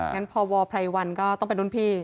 อ๋องั้นพวภัยวันก็ต้องเป็นรุ่นพี่